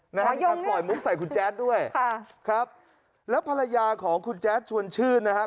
มีการปล่อยมุกใส่คุณแจ๊ดด้วยค่ะครับแล้วภรรยาของคุณแจ๊ดชวนชื่นนะครับ